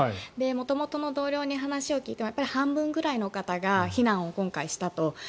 元々の同僚に話を聞いても半分くらいの方が今回、避難したと。